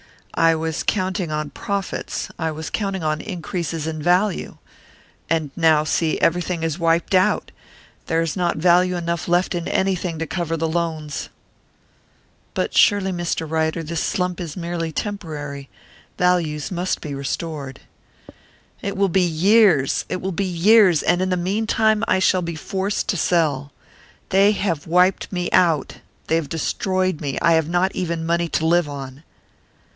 I was counting on profits I was counting on increases in value. And now see everything is wiped out! There is not value enough left in anything to cover the loans." "But surely, Mr. Ryder, this slump is merely temporary. Values must be restored " "It will be years, it will be years! And in the meantime I shall be forced to sell. They have wiped me out they have destroyed me! I have not even money to live on."